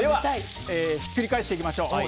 ひっくり返していきましょう。